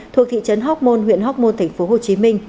thuộc thị trấn hóc môn huyện hóc môn tp hcm